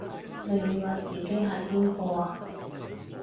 你以為自己係邊個啊？